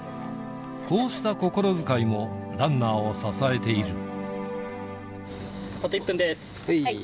こうした心遣いもランナーを支えあと１分です。